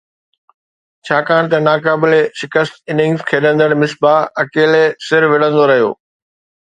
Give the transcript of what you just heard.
ڇاڪاڻ ته ناقابل شڪست اننگز کيڏندڙ مصباح اڪيلي سر وڙهندو رهيو